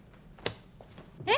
えっ？